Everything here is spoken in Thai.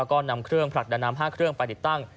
ก็นำเครื่องผลักดันน้ำ๕เครื่องไปติดตั้ง